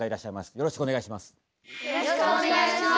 よろしくお願いします。